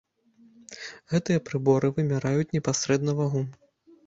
Гэтыя прыборы вымераюць непасрэдна вагу.